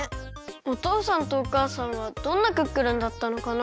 おとうさんとおかあさんはどんなクックルンだったのかな。